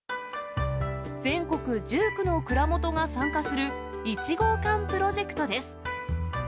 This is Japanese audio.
全国１９の蔵元が参加する、イチゴーカンプロジェクトです。